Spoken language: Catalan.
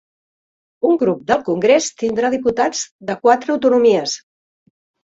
Un grup del congrés tindrà diputats de quatre autonomies